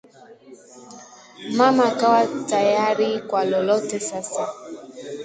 Mama akawa tayari kwa lolote sasa